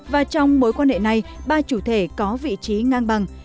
và trong mối quan hệ này ba chủ thể có vị trí ngang bằng